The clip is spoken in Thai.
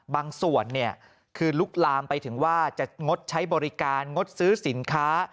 บางส่วนคือลุกลามไปถึงว่าจะงดใช้บริการงดซื้อสินค้า